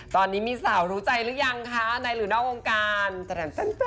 ตอนนี้มีสาวรู้ใจหรือยังคะในหรือนอกวงการ